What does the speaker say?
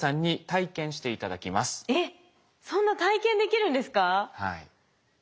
えっそんな体験できるんですか？